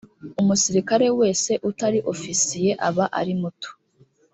umusirikare wese utari ofisiye aba arimuto.